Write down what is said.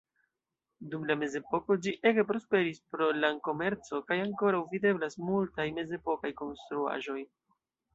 Dum la mezepoko ĝi ege prosperis pro lan-komerco, kaj ankoraŭ videblas multaj mezepokaj konstruaĵoj.